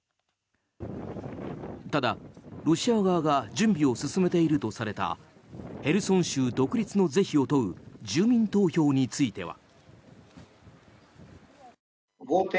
ただ、ロシア側が準備を進めているとされたヘルソン州独立の是非を問う住民投票については。